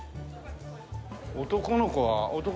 男の子は。